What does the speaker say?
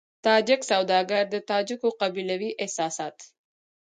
تاجک سوداګر د تاجکو قبيلوي احساسات.